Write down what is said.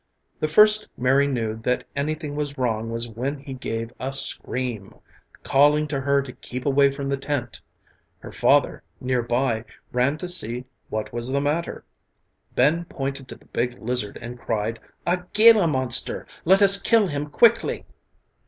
The first Mary knew that anything was wrong was when he gave a scream, calling to her to keep away from the tent. Her father, nearby, ran to see what was the trouble; Ben pointed to the big lizard and cried, "A gila monster, let us kill him quickly!"